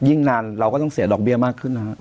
นานเราก็ต้องเสียดอกเบี้ยมากขึ้นนะฮะ